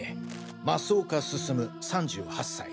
増岡進３８歳。